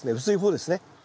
薄い方ですね。